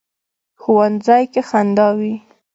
ښوونځی کې خندا وي